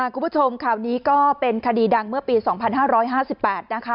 คุณผู้ชมข่าวนี้ก็เป็นคดีดังเมื่อปี๒๕๕๘นะคะ